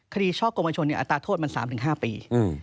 คดีช่อกรมชนเนี่ยอัตราโทษมัน๓๕ปี